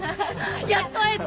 やっと会えた！